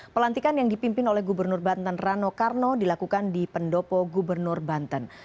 pelantikan yang dipimpin oleh gubernur banten rano karno dilakukan di pendopo gubernur banten